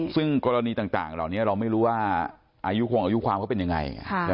ซึ่งกรณีต่างเหล่านี้เราไม่รู้ว่าอายุคงอายุความเขาเป็นยังไง